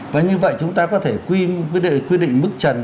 thế như vậy chúng ta có thể quy định mức trần